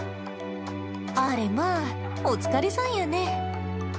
あれまあ、お疲れさんやね。